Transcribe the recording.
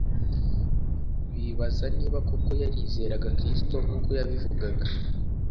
bibaza niba koko yarizeraga kristo nk uko yabivugaga